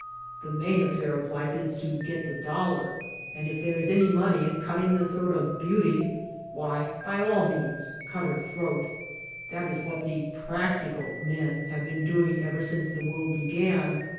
The main affair of life is to get the dollar, and if there is any money in cutting the throat of Beauty, why, by all means, cut her throat. That is what the ^^ practical men'' have been doing ever since the world began.